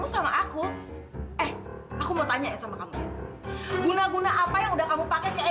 sampai jumpa di video selanjutnya